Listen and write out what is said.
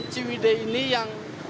ciwide ini yang